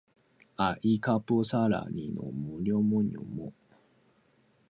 Reaction by critics to Philip Johnson's design was generally favorable.